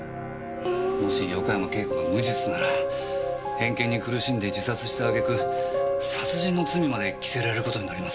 もし横山慶子が無実なら偏見に苦しんで自殺した揚げ句殺人の罪まで着せられることになりますからね。